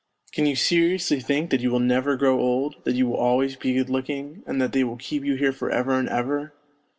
Can you seriously think that you will never grow old, that you will always be good looking, and that they will keep you here for ever and ever